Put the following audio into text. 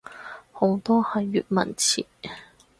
好多係粵文詞